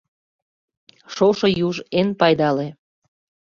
Шошо юж эн пайдале.